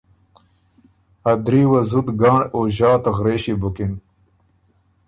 ا دري وه زُت ګنړ او ݫات غرېݭی بُکِن